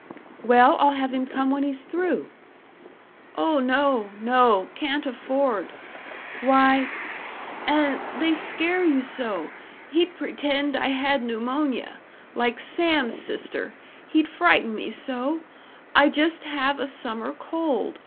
"Well, I'll have him come when he's through." "Oh no, no, can't afford " "Why " "And they scare you so he'd pretend I had pneumonia, like Sam's sister he'd frighten me so I just have a summer cold.